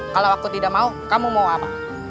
kalau aku tidak mau kamu mau apa